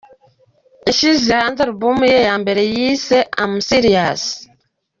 I yashyize hanze album ye ya mbere, yise , I'm Serious.